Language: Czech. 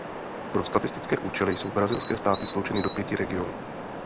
Pro statistické účely jsou brazilské státy sloučeny do pěti regionů.